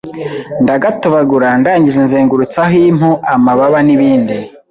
ndagatobagura ndangije nzengurutsaho impu, amababa n’ibindi